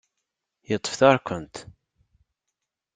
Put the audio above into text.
Yeṭṭef tarkent.